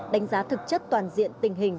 đánh giá thực chất toàn diện tình hình